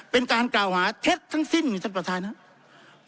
เป็นการกล่าวหาเท็จทั้งสิ้นนี่ท่านประธานครับ